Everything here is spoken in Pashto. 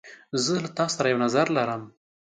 زه له تا سره یو نظر لرم.